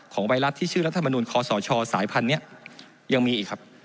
ไวรัสที่ชื่อรัฐมนุนคอสชสายพันธุ์นี้ยังมีอีกครับ